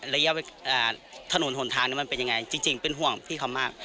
ถนนหนทางมันเป็นยังไงจริงเป็นห่วงพี่เขามาก